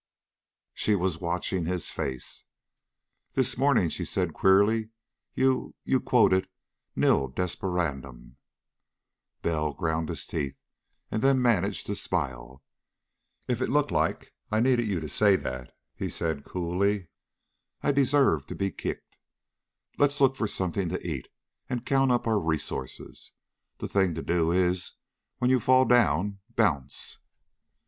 She was watching his face. "This morning," she said queerly, "you you quoted 'Nil desperandum.'" Bell ground his teeth, and then managed to smile. "If I looked like I needed you say that," he said coolly, "I deserve to be kicked. Let's look for something to eat, and count up our resources. The thing to do is, when you fall down bounce!"